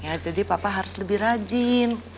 ya jadi papa harus lebih rajin